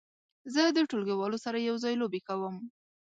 زه د ټولګیوالو سره یو ځای لوبې کوم.